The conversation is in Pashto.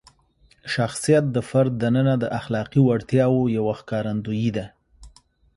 شخصیت د فرد دننه د اخلاقي وړتیاوو یوه ښکارندویي ده.